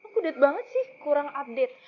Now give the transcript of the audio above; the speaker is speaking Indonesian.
kudut banget sih kurang update